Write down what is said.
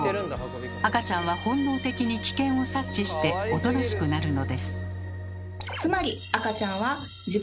赤ちゃんは本能的に危険を察知しておとなしくなるのです。